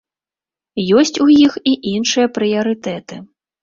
Ёсць у іх і іншыя прыярытэты.